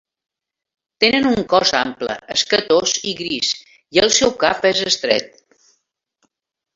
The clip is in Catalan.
Tenen un cos ample, escatós i gris, i el seu cap és estret.